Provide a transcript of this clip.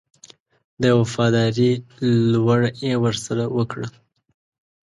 د وفاداري لوړه یې ورسره وکړه.